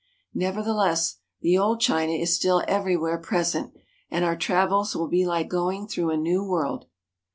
Nevertheless, the old China is still everywhere present, and our travels will be like going through a new world.